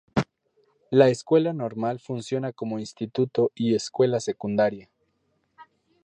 La Escuela Normal funciona como instituto y escuela secundaria.